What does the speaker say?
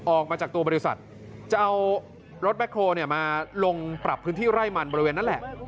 ออกมาจากตัวบริษัทจะเอารถแบ็คโฮลมาลงปรับพื้นที่ไร่มันบริเวณนั้นแหละ